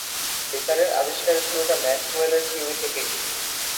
বেতারের আবিষ্কারের শুরুটা ম্যাক্সওয়েলের থিওরি থেকেই।